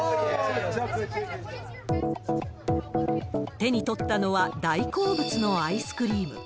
手に取ったのは、大好物のアイスクリーム。